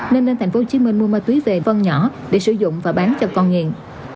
nên nên thành phố hồ chí minh mua ma túy về phân nhỏ để sử dụng và bán cho con nghiện